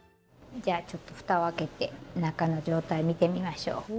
じゃちょっとふたを開けて中の状態見てみましょう。